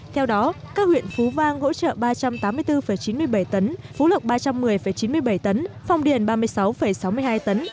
theo đó các huyện phú vang hỗ trợ ba trăm tám mươi bốn chín mươi bảy tấn phú lộc ba trăm một mươi chín mươi bảy tấn phong điền ba mươi sáu sáu mươi hai tấn